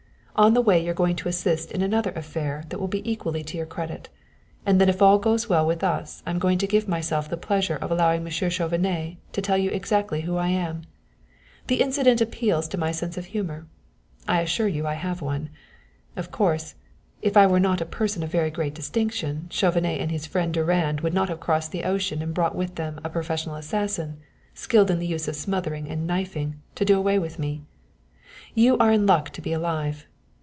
On the way you are going to assist in another affair that will be equally to your credit; and then if all goes well with us I'm going to give myself the pleasure of allowing Monsieur Chauvenet to tell you exactly who I am. The incident appeals to my sense of humor I assure you I have one! Of course, if I were not a person of very great distinction Chauvenet and his friend Durand would not have crossed the ocean and brought with them a professional assassin, skilled in the use of smothering and knifing, to do away with me. You are in luck to be alive.